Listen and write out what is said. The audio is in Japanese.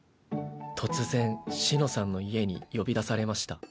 突然紫乃さんの家に呼び出されました